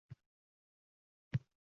Toshkentda kuz nafasi